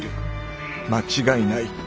間違いない。